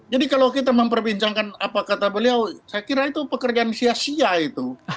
jadi kalau kita memperbincangkan apa kata beliau saya kira itu pekerjaan sia sia itu